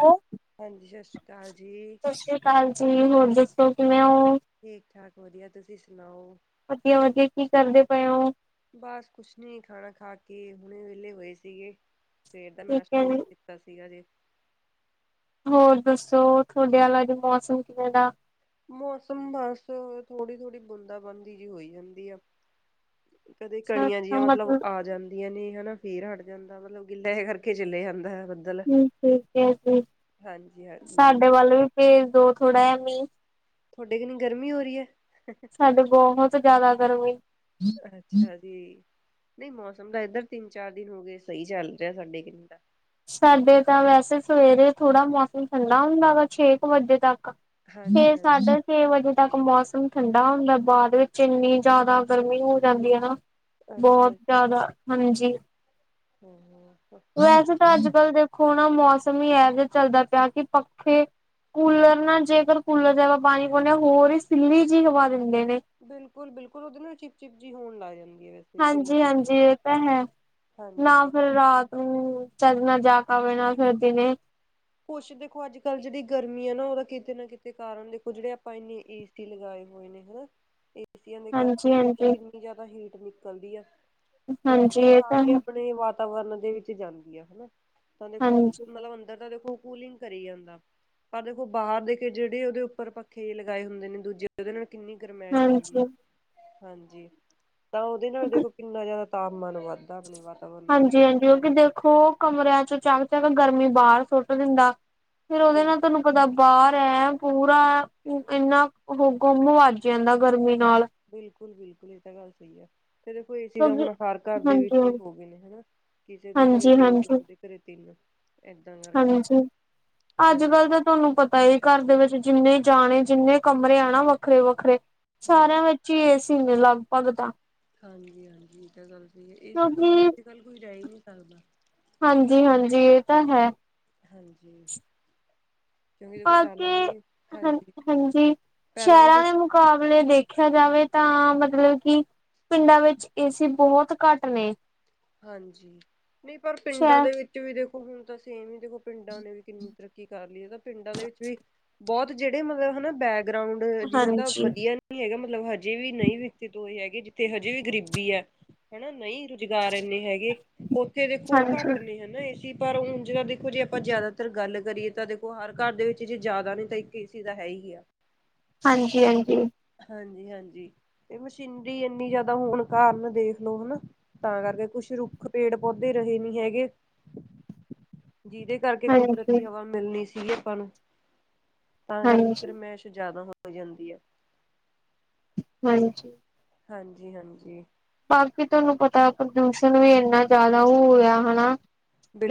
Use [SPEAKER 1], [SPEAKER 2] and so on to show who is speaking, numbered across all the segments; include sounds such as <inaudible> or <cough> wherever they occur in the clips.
[SPEAKER 1] ਔ
[SPEAKER 2] ਹਾਂਜੀ ਸਤਿ ਸ਼੍ਰੀ ਅਕਾਲ ਜੀ
[SPEAKER 1] ਹਾਂਜੀ ਹੋਰ ਦੱਸੋ ਕਿਵੇਂ ਹੋ
[SPEAKER 2] ਠੀਕ-ਠਾਕ, ਵਧੀਆ। ਤੁਸੀਂ ਸੁਣਾਓ
[SPEAKER 1] ਵਧੀਆ, ਵਧੀਆ। ਕੀ ਕਰਦੇ ਪਏ ਓ?
[SPEAKER 2] ਬਸ ਕੁਝ ਨਹੀਂ। ਖਾਣਾ ਖਾ ਕੇ ਹੁਣੇ ਹੀ ਵਿਹਲੇ ਹੋਏ ਸੀ। ਫਿਰ
[SPEAKER 1] ਠੀਕ
[SPEAKER 2] ਨਾਸ਼ਤਾ
[SPEAKER 1] ਹੈ
[SPEAKER 2] ਥੋੜ੍ਹਾ
[SPEAKER 1] ਜੀ।
[SPEAKER 2] ਲੇਟ ਕਰ ਲਿਆ। ਸਾਰੀ <unintelligible>
[SPEAKER 1] ਹੋਰ ਦੱਸੋ, ਤੁਹਾਡੇ ਆਲਾ ਅੱਜ ਮੌਸਮ ਕਿਵੇਂ ਦਾ?
[SPEAKER 2] ਮੌਸਮ ਬਸ ਥੋੜ੍ਹੀ-ਥੋੜ੍ਹੀ ਬੂੰਦਾਬਾਂਦੀ ਜੀ ਹੋਈ ਜਾਂਦੀ ਆ। ਕਦੇ-ਕਦੇ ਕਣੀਆਂ ਜਿਈਆਂ ਮਤਲਬ ਆ ਜਾਂਦੀਆਂ। ਪੈਂਦੀਆਂ ਨੇ ਹਨਾ, ਫਿਰ ਹਟ ਜਾਂਦੀਆਂ ਨੇ। ਮਤਲਬ, ਗਿੱਲਾ ਜਾ ਕਰਕੇ ਚਲੇ ਜਾਂਦਾ ਏ ਬ
[SPEAKER 1] ਠੀਕ ਹੈ ਜੀ,
[SPEAKER 2] ਹਾਂਜੀ ਹਾਂਜੀ
[SPEAKER 1] ਸਾਡੇ ਵੱਲ ਵੀ ਭੇਜ ਦੋ ਥੋੜ੍ਹਾ ਜਿਹਾ ਮੀਂਹ।
[SPEAKER 2] ਥੋਡੇ ਕਿੰਨੀ ਗਰਮੀ ਹੋ ਰਹੀ ਐ।
[SPEAKER 1] ਸਾਡੇ ਬਹੁਤ ਜ਼ਿਆਦਾ ਗਰਮੀ।
[SPEAKER 2] ਅੱਛਾ ਜੀ, ਨਹੀਂ। ਮੌਸਮ ਤਾਂ ਇਧਰ ਤਿੰਨ-ਚਾਰ ਦਿਨ ਹੋ ਗਏ ਸਈ ਚੱਲ ਰਿਹਾ ਹੈ ਸਾਡੇ ਕਨੀ ਤਾਂ।
[SPEAKER 1] ਸਾਡੇ ਤਾਂ ਵੈਸੇ ਸਵੇਰੇ ਥੋੜ੍ਹਾ ਮੌਸਮ ਠੰਡਾ ਹੁੰਦਾ ਵਾ ਛੇ ਕੁ ਵਜੇ ਤੱਕ।
[SPEAKER 2] ਹਾਂਜੀ
[SPEAKER 1] ਫੇਰ
[SPEAKER 2] ਹਾਂਜੀ
[SPEAKER 1] ਸਾਢੇ ਛੇ ਵਜੇ ਤੱਕ ਮੌਸਮ ਠੰਡਾ ਹੁੰਦਾ ਬਾਅਦ ਵਿੱਚ ਇੰਨੀ ਜ਼ਿਆਦਾ ਗਰਮੀ ਹੋ ਜਾਂਦੀ ਹੈ ਨਾ। ਬਹੁਤ
[SPEAKER 2] ਅੱਛਾ
[SPEAKER 1] ਜ਼ਿਆਦਾ ਹਾਂਜੀ।
[SPEAKER 2] ਹੂੰ-ਹੂੰ।
[SPEAKER 1] ਵੈਸੇ ਤਾਂ ਅੱਜ ਕੱਲ੍ਹ ਦੇਖੋ ਨਾ ਮੌਸਮ ਹੀ ਇਹ ਜਿਹਾ ਚੱਲਦਾ ਪਿਆ ਕਿ ਪੱਖੇ ਕੂਲਰ ਨਾ ਜੇਕਰ ਕੂਲਰ ਚ ਪਾਣੀ ਪਾਉਂਦੇ ਹ ਹੋਰ ਹੀ ਸਿੱਲੀ ਜਿਹੀ ਹਵਾ ਦਿੰਦੇ ਨੇ।
[SPEAKER 2] ਬਿਲਕੁਲ-ਬਿਲਕੁਲ ਉਹਦੇ ਨਾਲ ਚਿਪ-ਚਿਪ ਜਹੀ ਹੋਣ ਲਗ ਜਾਂਦੀ ਹੈ ਕੂਲਰ
[SPEAKER 1] ਹਾਂਜੀ
[SPEAKER 2] ਦੀ ਹਵਾ
[SPEAKER 1] ਹਾਂਜੀ
[SPEAKER 2] ਨਾਲ
[SPEAKER 1] ਇਹ ਤਾਂ ਹੈ
[SPEAKER 2] ਹਾਂਜੀ
[SPEAKER 1] ਨਾ
[SPEAKER 2] ਹਾਂਜੀ
[SPEAKER 1] ਫਿਰ ਰਾਤ ਹੂੰ ਚਜ ਨਾਲ <unintelligible> ਜਾਕ ਵਣਾ ਫਿਰਦੀ ਨੇ
[SPEAKER 2] ਕੁਛ ਦੇਖੋ ਅੱਜ ਕੱਲ੍ਹ ਜਿਹੜੀ ਗਰਮੀ ਆ ਨਾ ਉਹਦਾ ਕਿਤੇ ਨਾ ਕਿਤੇ ਕਾਰਨ ਦੇਖੋ ਜਿਹੜੇ ਆਪਾਂ ਇੰਨੇ ਏ ਸੀ ਲਗਾਏ ਹੋਏ ਨੇ। ਹਨਾ ਏਸੀਆਂ ਦੇ
[SPEAKER 1] ਹਾਂਜੀ
[SPEAKER 2] ਕਰਕੇ ਦੇਖੋ
[SPEAKER 1] ਹਾਂਜੀ।
[SPEAKER 2] ਕਿੰਨੀ ਜ਼ਿਆਦਾ ਹੀਟ ਨਿਕਲਦੀ ਆ। ਤੇ
[SPEAKER 1] ਹਾਂਜੀ
[SPEAKER 2] ਦੇਖੋ
[SPEAKER 1] ਇਹ ਤਾਂ
[SPEAKER 2] ਸਾਰੇ ਹੀ
[SPEAKER 1] ਹੈ
[SPEAKER 2] ਆਪਣੇ ਵ ਵਾਤਾਵਰਨ ਦੇ ਵਿੱਚ ਜਾਂਦੀ ਆ ਹਨਾ ਤਾਂ ਦੇਖੋ
[SPEAKER 1] ਹਾਂਜੀ
[SPEAKER 2] ਮਤਲਬ ਅੰਦਰ ਦਾ ਦੇਖੋ। ਉਹ ਕੂਲਿੰਗ ਕਰੀ ਜਾਂਦਾ ਪਰ ਦੇਖੋ ਬਾਹਰ ਦੇ ਕੇ ਜਿਹੜੇ ਉਹਦੇ ਉੱਪਰ ਪੱਖੇ ਲਗਾਏ ਹੁੰਦੇ ਨੇ ਦੂਜੇ। ਉਹਦੇ ਨਾਲ ਕਿੰਨੀ ਗਰਮਾਇਸ਼ ਆਉਂਦੀ
[SPEAKER 1] ਹਾਂਜੀ।
[SPEAKER 2] ਹੈ ਹਾਂਜੀ ਤਾਂ ਉਹਦੇ ਨਾਲ
[SPEAKER 1] ਹਾਂਜੀ
[SPEAKER 2] ਦੇਖੋ ਕਿੰਨਾ ਜ਼ਿਆਦਾ। ਤਾਪਮਾਨ ਵੱਧਦਾ ਆਪ ਵ
[SPEAKER 1] ਹਾਂਜੀ ਹਾਂਜੀ ਉਹ ਕਿ ਦੇਖੋ ਕਮਰਿਆਂ ਚ ਚੱਕ ਚੱਕ ਗਰਮੀ ਬਾਹਰ ਸੁੱਟ ਦਿੰਦਾ। ਫੇਰ ਉਹਦੇ
[SPEAKER 2] ਬਿਲ
[SPEAKER 1] ਨਾਲ ਤੁਹਾਨੂੰ ਦਾ ਬਾਹਰ ਐ ਪੂਰਾ ਇੰਨਾ ਉਹ ਗੁੰਮ ਵੱਜ ਜਾਂਦਾ ਗਰਮੀ ਨਾਲ।
[SPEAKER 2] ਬਿਲਕੁਲ ਬਿਲਕੁਲ ਇਹ ਤਾਂ ਗੱਲ ਸਹੀ ਆ। ਤੇ ਦੇਖੋ ਏ ਚੀ ਤਾਂ
[SPEAKER 1] ਕਿਉਂਕਿ
[SPEAKER 2] ਹੁਣ ਹਰ ਘਰ ਦੇ ਵਿੱਚ
[SPEAKER 1] ਹਾਂਜੀ
[SPEAKER 2] ਹੀ ਹੋ ਗਏ ਨੇ ਹਨਾ ਕਿਸੇ ਦੇ ਘਰੇ
[SPEAKER 1] ਹਾਂਜੀ
[SPEAKER 2] ਦੋ
[SPEAKER 1] ਹਾਂਜੀ
[SPEAKER 2] ਕਿਸੇ ਦੇ ਘਰੇ ਤਿੰਨ ਏਦਾਂ ਕਰਕੇ
[SPEAKER 1] ਹਾਂਜੀ ਅੱਜ
[SPEAKER 2] ਹਾਂਜੀ
[SPEAKER 1] ਕੱਲ੍ਹ ਤਾਂ ਤੁਹਾਨੂੰ ਪਤਾ ਤਾ ਘਰ ਦੇ ਵਿੱਚ ਜਿੰਨੇ ਜਾਣੇ ਜਿੰਨੇ ਕਮਰੇ ਆ ਨਾ ਵੱਖਰੇ- ਵੱਖਰੇ
[SPEAKER 2] ਬਿਲ
[SPEAKER 1] ਸਾਰਿਆਂ ਵਿੱਚ ਏ ਸੀ ਨੇ ਲਗਭਗ ਤਾਂ।
[SPEAKER 2] ਹਾਂਜੀ ਹਾਂਜੀ ਇਹ ਤਾਂ ਗੱਲ ਸਹੀ ਹੈ ਏ ਸੀ ਤੋਂ ਹ
[SPEAKER 1] ਕਿਉਂਕਿ
[SPEAKER 2] ਅੱਜ ਕੱਲ੍ਹ ਕੋਈ ਜਾ ਹੀ ਨਹੀਂ ਸਕਦਾ
[SPEAKER 1] ਹਾਂਜੀ ਹਾਂਜੀ ਇਹ ਤਾਂ ਹੈ।
[SPEAKER 2] ਹਾਂਜੀ ਕਿਉਂਕਿ ਦੇਖੋ
[SPEAKER 1] ਬਾ ਕੇ
[SPEAKER 2] ਪਹਿਲਾਂ ਵੀ
[SPEAKER 1] ਹ
[SPEAKER 2] ਹਾਂਜੀ
[SPEAKER 1] ਹਾਂਜੀ
[SPEAKER 2] ਪਹਿਲਾਂ ਵੀ ਦੇਖੋ
[SPEAKER 1] ਸ਼ਹਿਰਾਂ ਦੇ ਮੁ ਮੁਕਾਬਲੇ ਦੇਖਿਆ ਜਾਵੇ ਤਾਂ ਮਤਲਬ ਕਿ ਪਿੰਡਾਂ ਵਿੱਚ ਏਸੀ ਬਹੁਤ ਘੱਟ ਨੇ
[SPEAKER 2] ਹਾਂਜੀ ਨਹੀਂ ਪਰ ਪਿੰਡਾਂ
[SPEAKER 1] ਸ਼ਹਿਰ
[SPEAKER 2] ਦੇ ਵਿੱਚ ਵੀ ਦੇਖੋ ਹੁਣ ਤਾਂ ਸੇਮ ਹੀ ਦੇਖੋ ਪਿੰਡਾਂ ਨੇ ਵੀ ਕਿੰਨੀ ਤਰੱਕੀ ਕਰ ਲਈ ਹੈ ਤਾਂ ਪਿੰਡਾਂ ਦੇ ਵਿੱਚ ਵੀ ਬਹੁਤ ਜਿਹੜੇ ਮਤਲਬ ਹਨਾ ਬੈਗ ਗਰਾਊਂਡ ਜਿਨਾਂ ਦਾ
[SPEAKER 1] ਹਾਂਜੀ
[SPEAKER 2] ਵਧੀਆ ਹੈਗਾ ਮਤਲਬ ਹਜੇ ਵੀ ਨਹੀਂ ਵਿਅਕਤੀ ਤੋਂ ਇਹ ਹੈਗੇ ਜਿੱਥੇ ਹਜੇ ਵੀ ਗਰੀਬੀ ਐ ਹਨਾ ਨਹੀਂ ਇੰਨੇ <unintelligible> ਹੈਗੇ ਉੱਥੇ ਦੇਖੋ
[SPEAKER 1] ਹਾਂਜੀ
[SPEAKER 2] ਘੱਟ ਨੇ ਹਨਾ ਸੀ ਪਰ ਹੁਣ ਉਂਝ ਜਿਦ ਦੇਖੋ ਜੇ ਆਪਾਂ ਜ਼ਿਆਦਾਤਰ ਗੱਲ ਕਰੀਏ ਤਾਂ ਦੇਖੋ ਹਰ ਘਰ ਦੇ ਵਿੱਚ ਜੇ ਜ਼ਿਆਦਾ ਨਹੀਂ ਤਾਂ ਇੱਕ ਏ ਸੀ ਤਾਂ ਹੈ ਹੀ ਆ।
[SPEAKER 1] ਹਾਂਜੀ ਹਾਂਜੀ
[SPEAKER 2] ਹਾਂਜੀ ਹਾਂਜੀ ਏ ਮਸ਼ੀਨਰੀ ਇੰਨੀ ਜ਼ਿਆਦਾ ਹੋਨ ਕਾਰਨ ਦੇਖ ਲੋ ਹਨਾ ਤਾਂ ਕਰਕੇ ਕੁਛ ਰੁੱਖ ਪੇੜ ਪੌਦੇ ਰਹੇ ਨੀ ਹੈਗੇ ਜਿਹਦੇ ਕਰਕੇ
[SPEAKER 1] ਹਾਂਜੀ
[SPEAKER 2] ਕੁਦਰਤੀ ਹਵਾ ਮਿਲਣੀ ਸੀ ਆਪਾਂ ਨੂੰ ਤਾਂ ਕਰਕੇ
[SPEAKER 1] ਹਾਂਜੀ
[SPEAKER 2] ਗਰਮਾਇਸ਼ ਜ਼ਿਆਦਾ ਹੋ ਹੋ ਜਾਂਦੀ ਏ
[SPEAKER 1] ਹਾਂਜੀ
[SPEAKER 2] ਹਾਂਜੀ ਹਾਂਜੀ
[SPEAKER 1] ਬਾਕੀ ਤੁਹਾਨੂੰ ਪਤਾ ਪ੍ਰਦੂਸ਼ਣ ਵੀ ਇੰਨਾ ਜ਼ਿਆਦਾ ਹੋਆ ਹਨਾ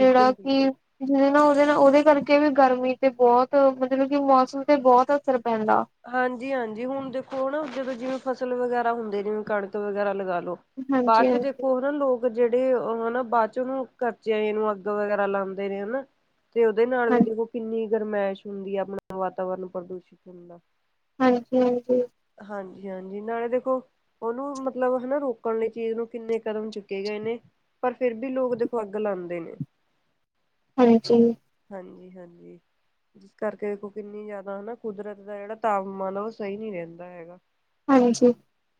[SPEAKER 1] ਜਿਹੜਾ ਕਿ
[SPEAKER 2] ਬਿਲਕੁਲ
[SPEAKER 1] ਜਿਹਦੇ ਨਾਲ ਉਹਦੇ ਨਾਲ ਉਹਦੇ ਕਰਕੇ ਵੀ ਗਰਮੀ ਤੇ ਬਹੁਤ ਮਤਲਬ ਕਿ ਮੌਸਮ ਤੇ ਬਹੁਤ ਅਸਰ ਪੈਂਦਾ
[SPEAKER 2] ਹਾਂਜੀ ਹਾਂਜੀ ਹੁਣ ਦੇਖੋ ਨਾ ਜਦੋਂ ਜਿਵੇਂ ਫਸਲ ਵਗੈਰਾ ਹੁੰਦੇ ਜਿਵੇਂ ਕਣਕ ਵਗੈਰਾ ਲਗਾ ਲੋੋ
[SPEAKER 1] ਹਾਂਜੀ
[SPEAKER 2] ਬਾਅਦ ਚ
[SPEAKER 1] ਹਾਂਜੀ
[SPEAKER 2] ਦੇਖੋ ਹਨਾ ਲੋਕ ਜਿਹੜੇ ਉਹ ਹਨਾ ਬਾਅਦ ਚ ਉਹਨੂੰ ਕਚਰੇ ਜਏ ਨੂੰ ਅੱਗ ਵਗੈਰਾ ਲਾਉਂਦੇ ਨੇ ਹਨਾ ਤੇ ਉਹਦੇ ਨਾਲ
[SPEAKER 1] ਹਾਂ
[SPEAKER 2] ਵੀ ਦੇਖੋ ਕਿੰਨੀ ਗਰਮਾਇਸ਼ ਹੁੰਦੀ ਹੈ। ਆਪਣਾ ਵਾਤਾਵਰਨ ਪ੍ਰਦੂਸ਼ਿਤ ਹੁੰਦਾ।
[SPEAKER 1] ਹਾਂਜੀ-ਹਾਂਜੀ।
[SPEAKER 2] ਹਾਂਜੀ-ਹਾਂਜੀ। ਨਾਲੇ ਦੇਖੋ ਉਹਨੂੰ ਮਤਲਬ ਹਨਾ ਰੋਕਣ ਲਈ ਚੀਜ਼ ਨੂੰ ਕਿੰਨੇ ਕਦਮ ਚੁੱਕੇ ਗਏ ਇਹਨੇ ਪਰ ਫਿਰ ਵੀ ਲੋਕ ਦਿਖੋ ਅੱਗ ਲਾਉਂਦੇ ਨੇ।
[SPEAKER 1] ਹਾਂਜੀ।
[SPEAKER 2] ਹਾਂਜੀ-ਹਾਂਜੀ। ਜਿਸ ਕਰਕੇ ਦੇਖੋ ਕਿੰਨੀ ਜ਼ਿਆਦਾ ਹਨਾ ਕੁਦਰਤ ਦਾ ਜਿਹੜਾ ਤਾਪਮਾਨ ਆ ਉਹ ਸਹੀ ਨਹੀਂ ਰਹਿੰਦਾ ਹੈਗਾ।
[SPEAKER 1] ਹਾਂਜੀ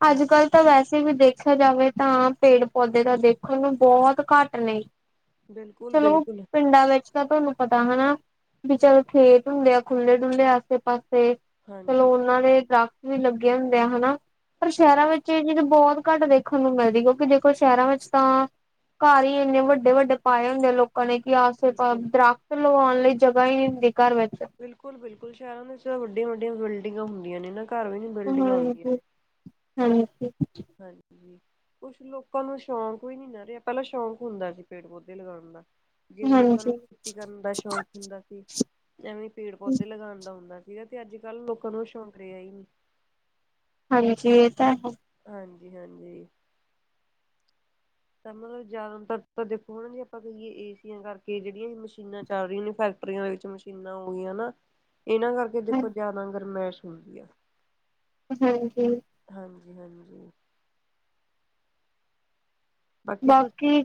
[SPEAKER 2] ਹਾਂ
[SPEAKER 1] ਅੱਜ ਕੱਲ੍ਹ ਤਾਂ ਵੈਸੇ ਵੀ ਦੇਖਿਆ ਜਾਵੇ ਤਾਂ ਪੇੜ ਪੌਦੇ ਤਾਂ ਦੇਖਣ ਨੂੰ ਬਹੁਤ ਘੱਟ ਨੇ।
[SPEAKER 2] ਬਿਲਕੁਲ
[SPEAKER 1] ਚਲੋ
[SPEAKER 2] ਬਿਲਕੁਲ
[SPEAKER 1] ਪਿੰਡਾਂ ਵਿੱਚ। ਤਾਂ ਤੁਹਾਨੂੰ ਪਤਾ ਹਨਾ ਬੱਲ ਖੇਤ ਹੁੰਦੇ ਆ ਖੁੱਲ੍ਹੇ ਡੁਲੇਹ ਆਸੇ ਪਾਸੇ। ਚਲੋ
[SPEAKER 2] ਹਾਂਜੀ
[SPEAKER 1] ਉਹਨਾਂ ਦੇ ਦਰੱਖਤ ਵੀ ਲੱਗੇ ਹੁੰਦੇ ਆ ਹਨਾ ਪਰ
[SPEAKER 2] ਹਾਂਜੀ
[SPEAKER 1] ਸ਼ਹਿਰਾਂ ਵਿੱਚ ਚੀ ਚੀਜ਼ ਬਹੁਤ ਘੱਟ ਦੇਖਣ ਨੂੰ ਮਿਲਦੀ ਕਿਉਂਕਿ ਦੇਖੋ ਸ਼ਹਿਰਾਂ ਵਿੱਚ ਤਾਂ ਘਰ ਹੀ ਇੰਨੇ ਵੱਡੇ-ਵੱਡੇ ਪਾਏ ਹੁੰਦੇ ਲੋਕ। ਕਹ ਕਿ ਆਸੇ
[SPEAKER 2] ਬਿਲਕੁਲ
[SPEAKER 1] ਦਰਖ਼ਤ ਲਗਆਉਣ ਲਈ ਜਗ੍ਹਾ ਹੀ ਨਹੀਂ ਹੁੰਦੀ ਘਰ ਵਿੱਚ
[SPEAKER 2] ਬਿਲਕੁਲ-ਬਿਲਕੁਲ ਸ਼ਹਿਰਾਂ ਦੇ ਵਿੱਚ ਵੱਡੀਆਂ-ਵੱਡੀਆਂ ਬਿਲਡਿੰਗਾਂ ਹੁੰਦੀਆਂ ਨੇ ਨਾ ਘਰ ਵੀ। ਬਿਲਡਿੰਗਾਂ ਹੁੰਦੀਆਂ
[SPEAKER 1] ਹਾਂਜੀ
[SPEAKER 2] ਨੇ।
[SPEAKER 1] ਹਾਂਜੀ
[SPEAKER 2] ਕੁਛ ਲੋਕਾਂ ਨੂੰ ਸ਼ੌਂਕ ਵੀ ਨੀ ਨਾ ਰਿਹਾ ਪਹਿਲਾਂ ਸ਼ੌਂਕ ਹੁੰਦਾ ਸੀ ਪੇੜ ਪੌਦੇੇ ਲਗਾਉਣ ਦਾ ਜਿਵੇਂ ਲੋਕਾਂ ਨੂੰ
[SPEAKER 1] ਹਾਂਜੀ
[SPEAKER 2] ਖੇਤੀ ਕਰਨ ਦਾ ਸ਼ੌਕ ਹੁੰਦਾ ਸੀ। ਐਵੇਂ ਪੇੜ ਪੌਦੇ ਲਗਾਉਣ ਦਾ ਹੁੰਦਾ ਸੀਗਾ ਤੇ ਅੱਜ ਕੱਲ੍ਹ ਲੋਕਾਂ ਨੂੰ ਸ਼ੌਂਕ ਰਿਹਾ ਹੀ ਨਹੀਂ।
[SPEAKER 1] ਹਾਂਜੀ ਇਹ ਤਾਂ ਹੈ।
[SPEAKER 2] ਹਾਂਜੀ-ਹਾਂਜੀ। ਤਾਂ ਮਤਲਬ ਜ਼ਿਆਦਾਤਰ ਤਾਂ ਦੇਖੋ ਹ ਨਾ ਜੀ ਆਪਾਂ ਕਹੀਏ ਏ ਸੀਆਂ ਕਰਕੇ ਜਿਹੜੀਆਂ ਹੀ ਮਸ਼ੀਨਾਂ ਚੱਲ ਰਹੀਆਂ ਨੇ ਫੈਕ <unintelligible> ਦੇ ਵਿੱਚ ਮਸ਼ੀਨਾਂ ਹੋ ਗਈਆਂ ਨਾ ਇਹਨਾਂ ਕਰਕੇ
[SPEAKER 1] ਹੈ
[SPEAKER 2] ਦੇਖੋ ਜਿਆਦਾ ਗਰਮੈਸ਼ ਹੁੰਦੀ ਆ।
[SPEAKER 1] ਹਾਂਜੀ।
[SPEAKER 2] ਹਾਂਜੀ-ਹਾਂਜੀ।
[SPEAKER 1] ਬਾਕੀ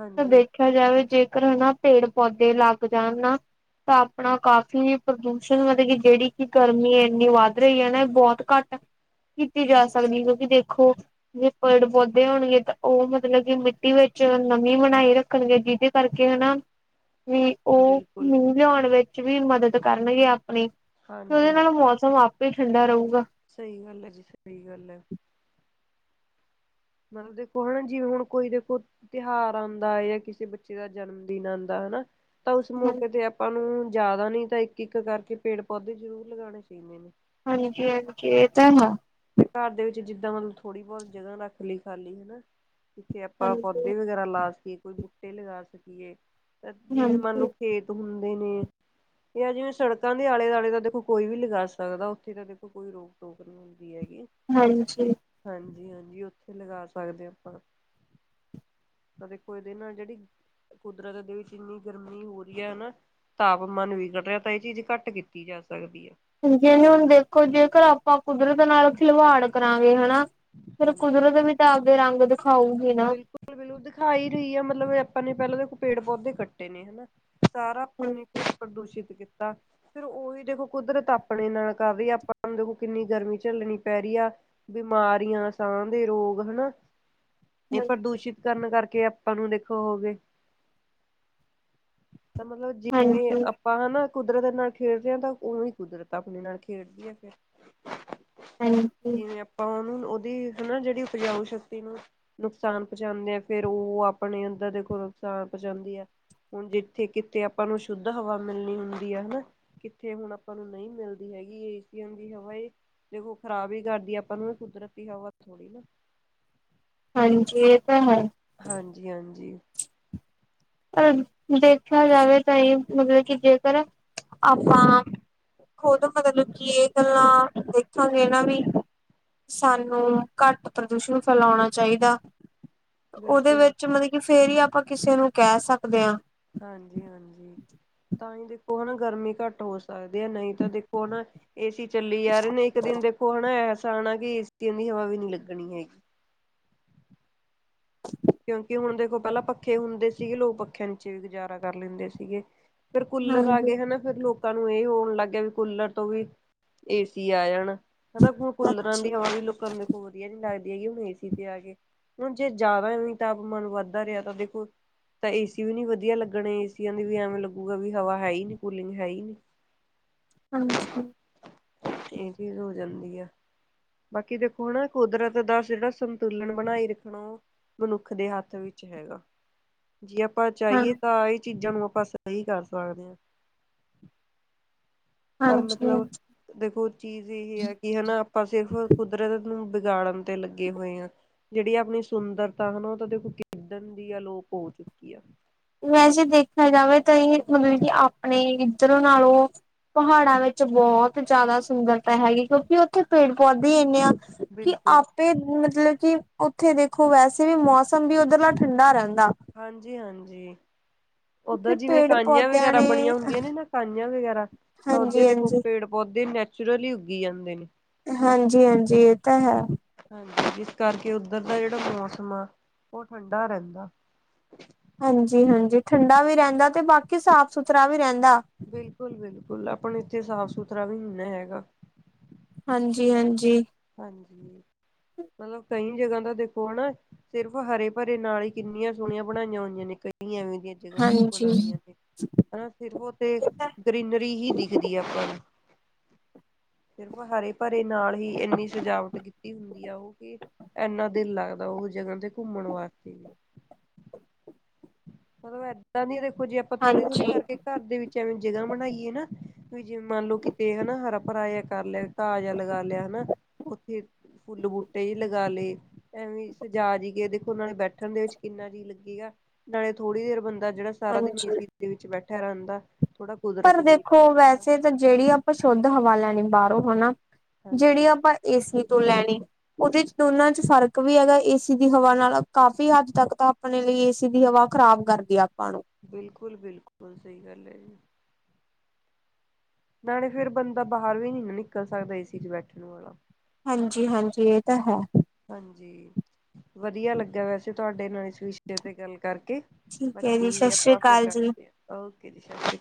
[SPEAKER 2] ਹਾਂਜੀ
[SPEAKER 1] ਦੇਖਿਆ ਜਾਵੇ ਜੇਕਰ ਹਨਾ ਪੇੜ ਪੌਦੇ ਲੱਗ ਜਾਣ ਨਾ। ਤਾਂ ਆਪਣਾ ਕਾਫ਼ੀ ਪ੍ਰਦੂਸ਼ਣ ਮਤਲਬ ਕਿ ਜਿਹੜੀ ਕਿ ਗਰਮੀ ਇੰਨੀ ਵੱਧ ਰਹੀ ਹੈ। ਨਾ ਬਹੁਤ ਘੱਟ ਕੀਤੀ ਜਾ ਸਕਦੀ ਕਿਉਂਕਿ ਦੇਖੋ ਜ ਪੇੜ ਪੌਦੇ ਹੋਣਗੇ ਤਾਂ ਉਹ ਮਤਲਬ ਮਤਲਬ ਕਿ ਮਿੱਟੀ ਵਿੱਚ ਨਮੀ ਬਨਾਈ ਰੱਖਣਗੇ ਜਿਹਦੇ ਕਰਕੇ ਹਨਾ ਵੀ ਉਹ
[SPEAKER 2] ਬਿਲਕੁਲ
[SPEAKER 1] ਮੀਹ ਲਿਆਉਣ ਵਿੱਚ ਵੀ ਮਦਦ ਕਰਨਗੇ ਆਪਣੀ
[SPEAKER 2] ਹਾਂਜੀ
[SPEAKER 1] ਉਹਦੇ
[SPEAKER 2] ਹਾਂ
[SPEAKER 1] ਨਾਲ ਮੌਸਮ ਆਪ ਠੰਡਾ ਰਹੂਗਾ।
[SPEAKER 2] ਸਹੀ ਗੱਲ ਹੈ। ਜੀ ਸਹੀ ਗੱਲ ਹੈ। ਮਤਲਬ ਦੇਖੋ ਹਨਾ ਜਿਵੇਂ ਹੁਣ ਕੋਈ ਦੇਖੋ। ਤਿਉਹਾਰ ਆਉਂਦਾ ਹੈ। ਜਾਂ ਕਿਸੇ ਬੱਚੇ ਦਾ ਜਨਮ ਦਿਨ ਆਉਂਦਾ ਹਨਾ। ਤਾਂ ਉਸ ਮੌਕੇ ਤੇ ਆਪਾਂ ਨੂੰ ਜ਼ਿਆਦਾ ਨੀ ਤਾਂ ਇੱਕ-ਇੱਕ ਕਰਕੇ ਪੇੜ ਪੌਦੇ ਜ਼ਰੂਰ ਲਗਾਉਣੇ ਚਾਹੀਦੇ ਨੇ
[SPEAKER 1] ਹਾਂਜੀ-ਹਾਂਜੀ, ਇਹ ਤਾਂ ਹੈ।
[SPEAKER 2] ਤੇ ਘਰ ਦੇ ਵਿੱਚ ਜਿੱਦਾਂ ਮਤਲਬ ਥੋੜੀ ਬਹੁਤ ਜਗ੍ਹਾ ਰੱਖ ਲਈ ਖਾਲੀ ਹਨਾ ਜਿੱਥੇ ਆਪਾਂ
[SPEAKER 1] ਹਾਂਜੀ
[SPEAKER 2] ਪੌਦੇ ਵਗੈਰਾ। ਲਾ ਸਕੀਏ ਕੋਈ ਬੂਟੇ ਲਗਾ ਸਕੀਏ ਤਾਂ ਜਿਵੇਂ ਮੰਨ ਲਓ
[SPEAKER 1] ਹਾਂਜੀ
[SPEAKER 2] ਖੇਤ ਹੁੰਦੇ ਨੇ। ਜਿਵੇਂ ਸੜਕਾਂ ਦੇ ਆਲੇ ਦੁਆਲੇ ਦਾ ਦੇਖੋ ਕੋਈ ਵੀ ਲਗਾ ਸਕਦਾ ਉੱਥੇ ਤਾਂ ਦੇਖੋ ਕੋਈ ਰੋਕ ਟੋਕ ਨਹੀਂ ਹੁੰਦੀ। ਹੈਗੀ।
[SPEAKER 1] ਹਾਂਜੀ।
[SPEAKER 2] ਹਾਂਜੀ-ਹਾਂਜੀ ਉੱਥੇ ਲਗਾ ਸਕਦੇ ਹੋ ਆਪਾਂ। ਤਾਂ ਦੇਖੋ ਇਹਦੇ ਨਾ ਜਿਹੜੀ ਕੁਦਰਤ ਦੇ ਵਿੱਚ ਇੰਨੀ ਗਰਮੀ ਹੋ ਰਹੀ ਹੈ। ਹਨਾ ਤਾਪਮਾਨ ਵਿਗੜ ਰਿਹਾ ਤਾਂ ਇਹ ਚੀਜ਼ ਘੱਟ ਕੀਤੀ ਜਾ ਸਕਦੀ ਹੈ।
[SPEAKER 1] ਜਿਵੇਂ ਹੁਣ ਦੇਖੋ ਜੇਕਰ ਆਪਾਂ ਕੁਦਰਤ ਨਾਲ ਖਿਲਵਾੜ ਕਰਾਂਗੇ ਹਨਾ। ਫੇਰ
[SPEAKER 2] ਹਾਂਜੀ
[SPEAKER 1] ਕੁਦਰਤ ਵੀ ਤਾਂ ਆਪਦੇ ਰੰਗ ਦਿਖਾਊਗੀ ਨਾ।
[SPEAKER 2] ਬਿਲਕੁਲ-ਬਿਲਕੁਲ ਦਿਖਾਈ ਰਹੀ ਆ ਮਤਲਬ ਆਪਾਂ ਨੇ ਪਹਿਲਾਂ ਪੇੜ ਪੌਦੇ ਕੱਟੇ ਨੇ ਹਨਾ ਸਾਰਾ ਆਪਾਂ
[SPEAKER 1] ਹਾਂਜੀ
[SPEAKER 2] ਨੇ ਕੁਝ ਪ੍ਰਦੂਸ਼ਿਤ ਕੀਤਾ। ਫਿਰ ਉਹੀ ਦੇਖੋ ਕੁਦਰਤ ਆਪਣੇ ਨਾਲ ਕਰ ਰਹੀ ਆਪਾਂ ਨੂੰ ਦੇਖੋ ਕਿੰਨੀ ਗਰਮੀ ਝੱਲਣੀ ਪੈ ਰਹੀ ਆ। ਬਿਮਾਰੀਆਂ ਸਾਹ ਦੇ ਰੋਗ ਹਨਾ ਇਹ ਪ੍ਰਦੂਸ਼ਿਤ ਕਰਨ ਕਰਕੇ ਆਪਾਂ ਨੂੰ ਦੇਖੋ ਹੋ ਗਏ ਤਾਂ ਮਤਲਬ ਜਿਵੇਂ
[SPEAKER 1] ਹਾਂਜੀ
[SPEAKER 2] ਆਪਾਂ ਹਨਾ ਕੁਦਰਤ ਨਾਲ ਖੇਡਦੇ ਹਾਂ ਤਾਂ ਉਹੀ ਕੁਦਰਤ ਆਪਣੇ ਨਾਲ ਖੇਡਦੀ ਆ ਫਿਰ
[SPEAKER 1] ਹਾਂਜੀ
[SPEAKER 2] ਜਿਵੇਂ ਆਪਾਂ ਉਹਨੂੰ ਉਹਦੀ ਹਨ ਨਾ ਜਿਹੜੀ ਉਪਜਾਊ ਸ਼ਕਤੀ ਨੂੰ ਨੁਕਸਾਨ ਪਹੁੰਚਾਉਂਦੇ ਆ ਫੇਰ ਉਹ ਆਪਣੇ ਅੰਦਰ ਦੇਖੋ ਨੁਕਸਾਨ ਪਹੁੰਚਾਉਂਦੀ ਆ, ਹੁਣ ਜਿੱਥੇ ਕਿਥੇ ਆਪਾਂ ਨੂੰ ਸ਼ੁੱਧ ਹਵਾ ਮਿਲਣੀ ਹੁੰਦੀ ਆ ਹਨਾ ਕਿੱਥੇ ਹੁਣ ਆਪਾਂ ਨੂੰ ਨਹੀਂ ਮਿਲਦੀ ਹੈਗੀ ਏ ਸੀ ਦੀ ਹਵਾ ਏ ਦੇਖੋ ਖਰਾਬ ਹੀ ਕਰਦੀ ਆ ਆਪਾਂ ਨੂੰ ਵੀ ਕੁਦਰਤੀ ਹਵਾ ਥੋੜ੍ਹੀ ਨਾ
[SPEAKER 1] ਹਾਂਜੀ ਇਹ ਤਾਂ ਹੈ।
[SPEAKER 2] ਹਾਂਜੀ, ਹਾਂਜੀ।
[SPEAKER 1] ਪਰ ਦੇਖਿਆ ਜਾਵੇ ਤਾਂ ਇਹ ਮਤਲਬ ਕਿ ਜੇਕਰ ਆਪਾਂ ਖੁਦ ਮਤਲਬ ਕੀ ਇਹ ਗੱਲਾਂ ਦੇਖਾਂਗੇ ਨਾ ਵੀ ਸਾਨੂੰ ਘੱਟ ਪ੍ਰਦੂਸ਼ਣ ਫੈਲਾਉਣਾ ਚਾਹੀਦਾ। ਉਹਦੇ
[SPEAKER 2] ਬਿਲਕੁਲ
[SPEAKER 1] ਵਿੱਚ ਮਤਲਬ ਕਿ ਫੇਰ ਹੀ ਆਪਾਂ ਕਿਸੇ ਨੂੰ ਕਹਿ ਸਕਦੇ ਹਾਂ
[SPEAKER 2] ਹਾਂਜੀ, ਹਾਂਜੀ ਤਾਂ ਹੀ ਦੇਖੋ ਹਨਾ ਗਰਮੀ ਘੱਟ ਹੋ ਸਕਦੀ ਹੈ ਨਹੀਂ ਤਾਂ ਦੇਖ ਹੁਣ ਏ ਸੀ ਚੱਲੀ ਜਾ ਰਹੇ ਨੇ ਇੱਕ ਦਿਨ ਦੇਖੋ ਹਨਾ ਐਸਾ ਹੈ ਨਾ ਕਿ ਏ ਸੀ ਦੀ ਹਵਾ ਵੀ ਨੀ ਲੱਗਣੀ ਹੈਗੀ।
[SPEAKER 1] <inaudible>
[SPEAKER 2] ਕਿਉਂਕਿ ਹੁਣ ਦੇਖੋ ਪਹਿਲਾਂ ਪੱਖੇ ਹੁੰਦੇ ਸੀਗੇ ਲੋਕ ਪੱਖਿਆਂ ਚ ਵੀ ਗੁਜ਼ਾਰਾ ਕਰ ਲੈਂਦੇ ਸੀਗੇ। ਫੇਰ ਕੂਲਰ ਆ
[SPEAKER 1] ਹਾਂਜੀ
[SPEAKER 2] ਗਏ ਹਨ। ਫਿਰ ਲੋਕਾਂ ਨੂੰ ਇਹ ਹੋਣ ਲੱਗ ਗਿਆ ਵੀ ਕੂਲਰ ਤੋਂ ਵੀ ਏਸੀ ਆ ਜਾਣ ਹਨਾ ਹੁਣ ਕੂਲਰਾਂ ਦੀ
[SPEAKER 1] ਹਾਂਜੀ
[SPEAKER 2] ਹਵਾ ਵੀ ਲੋਕਾਂ ਦੇ ਕੋਲ ਵਧੀਆ ਨੀ ਲੱਗਦੀ ਹੈਗੀ ਹੁਣ ਏ ਸੀ ਤੇ ਆ ਕੇ ਹੁਣ ਜੇ ਜ਼ਿਆਦਾ ਤਾਪਮਨ ਵੱਧਦਾ ਰਿਹਾ ਤਾਂ ਦੇਖੋ ਤਾਂ ਏਸੀ ਵੀ ਨੀ ਵਧੀਆ ਲੱਗਣੇ ਏਸੀਆਂ ਦੇ ਵੀ ਐਵੇਂ ਲੱਗੂਗਾ ਵੀ ਹਵਾ ਹੈ ਹੀ ਕੂਲਿੰਗ ਹੈ ਹੀ ਨ
[SPEAKER 1] ਹਾਂਜੀ।
[SPEAKER 2] ਇਹ ਚੀਜ਼ ਹੋ ਜਾਂਦੀ ਆ। ਬਾਕੀ ਦੇਖੋ ਹਨਾ ਕੁਦਰਤ ਦਾ ਜਿਹੜਾ ਸੰਤੁਲਨ ਬਣਾਈ ਰੱਖਣਾ। ਮਨੁੱਖ ਦੇ ਹੱਥ ਵਿੱਚ ਹੈਗਾ। ਜੇ ਆਪਾਂ
[SPEAKER 1] ਹਾਂ
[SPEAKER 2] ਚਾਹੀਏ ਤਾਂ ਇਹ ਚੀਜ਼ਾਂ ਨੂੰ ਆਪਾਂ ਸਹੀ ਕਰ ਸਕਦੇ ਹਾਂ। ਪਰ
[SPEAKER 1] ਹਾਂਜੀ
[SPEAKER 2] ਮਤਲਬ ਦੇਖੋ ਚੀਜ਼ ਇਹ ਹੈ ਕਿ ਹਨਾ ਆਪਾਂ ਸਿਰਫ ਕੁਦਰਤ ਨੂੰ ਬਗਾੜਨ ਤੇ ਲੱਗੇ ਹੋਏ ਆ। ਜਿਹੜੀ ਆਪਣੀ ਸੁੰਦਰਤਾ ਹਨਾ ਉਹ ਤਾਂ ਦੇਖੋ ਕਿਦਨ ਦੀ ਅਲੋਪ ਹੋ ਚੁੱਕੀ ਆ।
[SPEAKER 1] ਵੈਸੇ ਦੇਖਿਆ ਜਾਵੇ ਤਾਂ ਹੀ ਮਤਲਬ ਕਿ ਆਪਣੇ ਇੱਧਰੋਂ ਨਾਲੋਂ ਪਹਾੜਾਂ ਵਿੱਚ ਬਹੁਤ ਜ਼ਿਆਦਾ ਸੁੰਦਰਤਾ ਹੈਗੀ ਕਿਉਂਕਿ ਉੱਥੇ ਪੇੜ ਪੌਦੇੇ ਇੰਨੇ ਆ।
[SPEAKER 2] ਬਿਲਕੁਲ
[SPEAKER 1] ਤੇ ਮਤਲਬ ਕਿ ਉੱਥੇ ਦੇਖੋ ਵੈਸੇ ਵੀ ਮੌਸਮ ਵੀ ਉੱਧਰਲਾ ਠੰਡਾ ਰਹਿੰਦਾ।
[SPEAKER 2] ਹਾਂਜੀ-ਹਾਂਜੀ
[SPEAKER 1] ਕਿਉਂਕਿ
[SPEAKER 2] ਓਧਰ ਜਿਵੇਂ
[SPEAKER 1] ਪੇੜ
[SPEAKER 2] ਕਾਹੀਆਂ
[SPEAKER 1] ਪੌਦਿਆਂ
[SPEAKER 2] ਵਗੈਰਾ
[SPEAKER 1] ਨੇ
[SPEAKER 2] ਬਣੀਆਂ ਹੁੰਦੀਆਂ ਨੇ ਨਾ ਕਾਹੀਆਂ ਵਗੈਰਾ ਤਾਂ ਉਹਦੇ
[SPEAKER 1] ਹਾਂਜੀ
[SPEAKER 2] ਦੇ ਕੋਲ
[SPEAKER 1] ਹਾਂਜੀ
[SPEAKER 2] ਪੇੜ ਪੌਦੇ ਨੈਚੁਰਲੀ ਉੱਗੀ ਜਾਂਦੇ ਨੇ।
[SPEAKER 1] ਹਾਂਜੀ- ਹਾਂਜੀ ਇਹ ਤੇ ਹੈ।
[SPEAKER 2] ਹਾਂਜੀ ਜਿਸ ਕਰਕੇ ਉੱਧਰ ਦਾ ਜਿਹੜਾ ਮੌਸਮ ਆ ਉਹ ਠੰਡਾ ਰਹਿੰਦਾ।
[SPEAKER 1] ਹਾਂਜੀ- ਹਾਂਜੀ ਠੰਡਾ ਵੀ ਰਹਿੰਦਾ ਤੇ ਬਾਕੀ ਸਾਫ ਸੁਥਰਾ ਵੀ ਰਹਿੰਦਾ।
[SPEAKER 2] ਬਿਲਕੁਲ -ਬਿਲਕੁਲ ਆਪਾਂ ਇੱਥੇ ਸਾਫ਼ ਸੁਥਰਾ ਵੀ ਹਨਾ ਹੈਗਾ।
[SPEAKER 1] ਹਾਂਜੀ- ਹਾਂਜੀ
[SPEAKER 2] ਹਾਂਜੀ ਮਤਲਬ ਕਈ ਜਗ੍ਹਾ ਦਾ ਦੇਖੋ ਹਨਾ। ਸਿਰਫ਼ ਹਰੇ ਭਰੇ ਨਾਲ ਹੀ ਕਿੰਨੀਆਂ ਸੋਹਣੀਆਂ ਬਣਾਈਆਂ ਹੋਈਆਂ ਨੇ ਕਈ ਐਵੇਂ ਦੀਆਂ ਜ ਘੁੰਮਣ
[SPEAKER 1] ਹਾਂਜੀ
[SPEAKER 2] ਵਾਲੀਆਂ ਤੇ ਹਨਾ ਸਿਰਫ ਓ ਤੇ ਗਰੀਨਰੀ ਹੀ ਦਿਖਦੀ ਹੈ ਆਪਾਂ ਨੂੰ ਸਿਰਫ ਹਰੇ ਭਰੇ ਨਾਲ ਹੀ ਇੰਨੀ ਸਜਾਵਟ ਕੀਤੀ ਹੁੰਦੀ ਆ ਉਹ ਕਿ ਐੰਨਾ ਦਿਲ ਲੱਗਦਾ ਉਹ ਜਗ੍ਹਾ ਤੇ ਘੁੰਮਣ ਵਾਸਤੇ ਵੀ ਮਤਲਬ ਏਦਾਂ ਨੀ ਦੇਖੋ ਜੇ ਆਪਾਂ ਥੋੜੀ -ਥੋੜ੍ਹੀ
[SPEAKER 1] ਹਾਂਜੀ
[SPEAKER 2] ਕਰਕੇ ਘਰ ਦੇ ਵਿੱਚ ਐਵੇਂ ਜਗ੍ਹਾ ਬਣਾਈਏ ਨਾ ਵੀ ਜਿਵੇਂ ਮੰਨ ਲਓ ਕਿਤੇ ਹੈ ਨਾ ਹਰਾ ਭਰਾਇਆ ਕਰ ਲੈਣ। ਤਾਜ਼ਾ ਲਗਾ ਲਿਆ ਹਨਾ ਉੱਥੇ ਫੁੱਲ ਬੂਟੇ ਜ ਲਗਾ ਲਏ। ਐਵੇਂ ਸਜਾ ਜੀ ਕੇ ਦੇਖੋ ਉਹ ਨੇ ਬੈਠਣ ਦੇ ਵਿੱਚ ਕਿੰਨਾ ਜੀ ਲੱਗੇਗਾ। ਨਾਲੇ ਥੋੜ੍ਹੀ ਦੇਰ ਬੰਦਾ ਜਿਹੜਾ ਸਾਰਾ ਦਿਨ ਇਸ
[SPEAKER 1] ਹਾਂਜੀ
[SPEAKER 2] ਵਿੱਚ ਬੈਠਿਆ ਰਹਿੰਦਾ ਥੋੜਾ
[SPEAKER 1] ਪਰ
[SPEAKER 2] ਕੁਦਰਤ ਦੇ ਵਿੱਚ
[SPEAKER 1] ਦੇਖੋ
[SPEAKER 2] ਬੈਠਣ ਦਾ
[SPEAKER 1] ਵੈਸੇ ਤਾਂ ਜਿਹੜੀ ਆਪਾਂ ਸ਼ੁੱਧ ਹਵਾ ਲਾ ਲੈਣੀ ਬਾਹਰੋ ਹਨਾ ਜਿਹੜੀ
[SPEAKER 2] ਹਾਂਜੀ
[SPEAKER 1] ਆਪਾਂ ਏਸੀ ਤੋਂ ਲੈਣੀ। ਉਹਦੇ 'ਚ ਦੋਨਾਂ ਚ ਫ਼ਰਕ ਵੀ ਹੈਗਾ ਏ ਸੀ ਦੀ ਹਵਾ ਨਾਲ ਕਾਫ਼ੀ ਹੱਦ ਤੱਕ ਤਾ ਆਪਣੇ ਲਈ ਏ ਸੀ ਦੀ ਹਵਾ ਖ਼ਰਾਬ ਕਰਦੀ ਆਪਾਂ ਨੂੰ
[SPEAKER 2] ਬਿਲਕੁਲ -ਬਿਲਕੁਲ ਸਹੀ ਗੱਲ ਹੈ ਜੀ। ਨਾਲੇ ਫੇਰ ਬੰਦਾ ਬਾਹਰ ਵੀ ਨੀ ਨਾ ਨਿਕਲ ਸਕਦਾ ਏ 'ਚ ਬੈਠਣ ਵਾਲਾ
[SPEAKER 1] ਹਾਂਜੀ-ਹਾਂਜੀ ਇਹ ਤਾਂ ਹੈ।
[SPEAKER 2] ਹਾਂਜੀ ਵਧੀਆ ਲੱਗਾ ਵੈਸੇ ਤੁਹਾਡੇ ਨਾਲ ਇਸ ਵਿਸ਼ੇ ਤੇ ਗੱਲ ਕਰਕੇ
[SPEAKER 1] ਠੀਕ ਹੈ ਜੀ
[SPEAKER 2] ਬਾਕੀ
[SPEAKER 1] ਸਤਿ ਸ੍ਰੀ
[SPEAKER 2] ਆਪਾਂ ਫੇਰ
[SPEAKER 1] ਅਕਾਲ ਜੀ
[SPEAKER 2] ਕਰਦੇ ਹਾਂ ਓਕੇ ਜੀ ਸਤਿ ਸ਼੍ਰੀ ਅਕਾਲ।